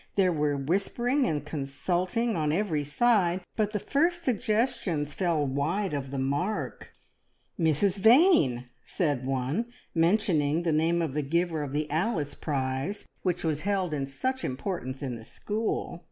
There were whispering and consulting on every side, but the first suggestions fell wide of the mark. "Mrs Vane!" said one, mentioning the name of the giver of the "Alice Prize," which was held in such importance in the school.